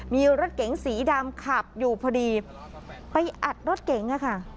มีรถเก๋งสีดำขับอยู่พอดีไปอัดรถเก๋งอะค่ะ